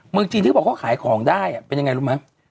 เมืองจีนที่เขาบอกเขาขายของได้เป็นยังไงรู้ไหม